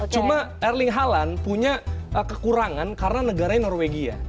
cuma erling halan punya kekurangan karena negaranya norwegia